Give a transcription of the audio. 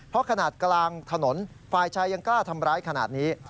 เพราะขนาดกลางถนนฝ่ายชายยังกล้าทำร้ายขนาดนี้